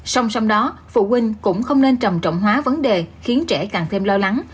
song song đó phụ huynh cũng không nên trầm trọng hóa vấn đề khiến trẻ càng thêm lo lắng